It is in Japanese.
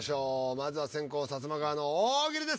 まずは先攻サツマカワの大喜利です。